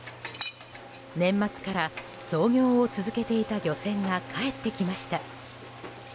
年末から操業を続けていた漁船が帰ってきました。